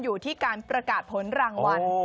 อยู่ที่การประกาศผลรางวัล